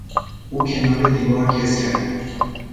او کنار دیوار کز کرد.